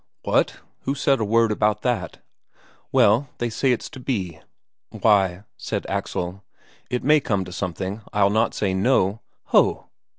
"What? Who said a word about that?" "Well, they say it's to be." "Why," said Axel, "it may come to something; I'll not say no." "Ho!"